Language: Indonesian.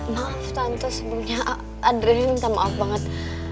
maaf tante sebelumnya adrena minta maaf banget